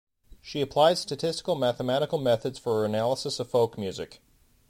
She applied statistical-mathematical methods for analysis of folk music.